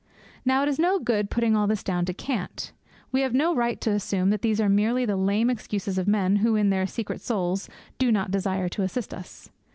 Now it is no good putting all this down to cant. We have no right to assume that these are merely the lame excuses of men who, in their secret souls, do not desire to assist us.